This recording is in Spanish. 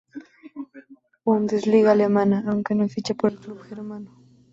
Bundesliga alemana, aunque no ficha por el club germano.